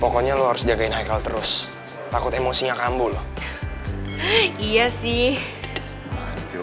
pokoknya lu harus jagain haikal terus takut emosinya kambul iya sih